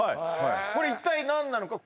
これ一体何なのか？